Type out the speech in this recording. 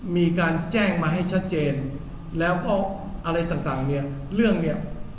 มีการแจ้งมาให้ชัดเจนแล้วก็อะไรต่างเนี่ยเรื่องเนี่ย